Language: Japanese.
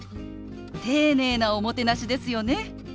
丁寧なおもてなしですよね。